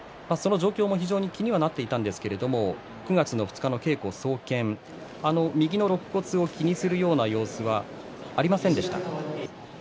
状況も気になっていたんですけれど９月の２日の稽古総見右のろっ骨を気にするような様子はありませんでした。